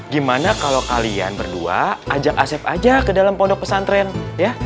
gimana kalau kalian berdua ajak asef aja ke dalam pondok pesantren ya